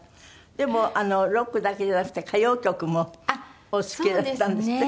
でもロックだけじゃなくて歌謡曲もお好きだったんですって？